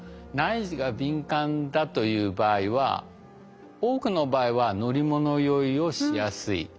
内耳が敏感だという場合は多くの場合は乗り物酔いをしやすい。